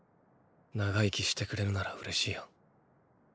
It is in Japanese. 長生きしてくれるなら嬉しいよ。